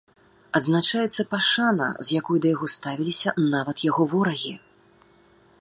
Адзначаецца пашана, з якой да яго ставіліся нават яго ворагі.